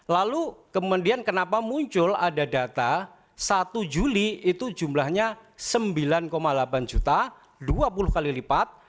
lalu kemudian kenapa muncul ada data satu juli itu jumlahnya sembilan delapan juta dua puluh kali lipat